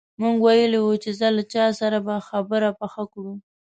موږ ویلي وو چې ځه له چا سره به خبره پخه کړو.